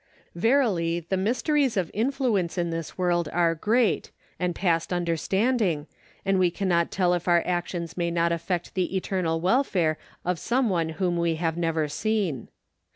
Yerily the mysteries of influence in this world are great, and past understanding, and we cannot tell if our actions may not affect the eternal welfare of some one whom we have never seen.